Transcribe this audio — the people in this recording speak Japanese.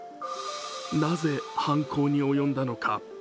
なぜ、犯行に及んだのか。